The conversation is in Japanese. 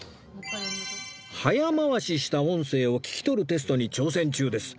早回しした音声を聞き取るテストに挑戦中です